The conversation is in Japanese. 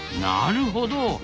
なるほど。